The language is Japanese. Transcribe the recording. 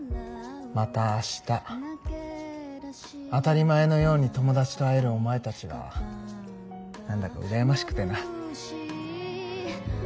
また明日当たり前のように友達と会えるお前たちが何だか羨ましくてな。